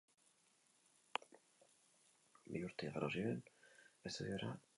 Bi urte igaro ziren estudiora itzuli aurretik.